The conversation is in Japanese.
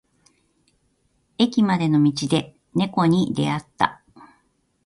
駅までの道で猫に出会った。